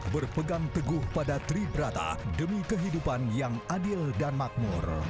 berpegang teguh pada tribrata demi kehidupan yang adil dan makmur